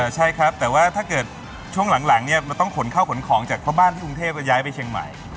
ใช่ครับแต่ว่าถ้าเกิดช่วงหลังเนี่ยมันต้องขนข้าวขนของจากพ่อบ้านที่กรุงเทพแล้วย้ายไปเชียงใหม่